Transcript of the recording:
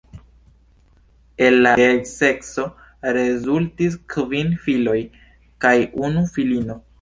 El la geedzeco rezultis kvin filoj kaj unu filino.